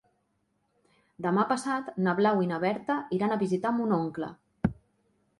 Demà passat na Blau i na Berta iran a visitar mon oncle.